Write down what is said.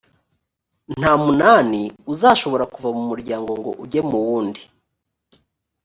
nta munani uzashobora kuva mu muryango ngo ujye mu wundi